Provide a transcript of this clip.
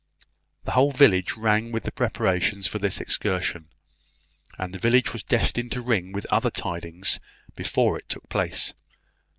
The whole village rang with the preparations for this excursion; and the village was destined to ring with other tidings before it took place.